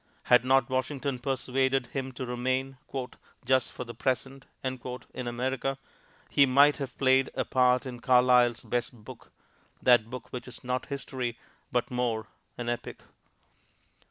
Had not Washington persuaded him to remain "just for the present" in America, he might have played a part in Carlyle's best book, that book which is not history, but more an epic.